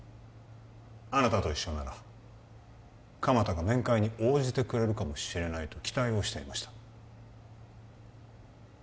あなたと一緒なら鎌田が面会に応じてくれるかもしれないと期待をしていました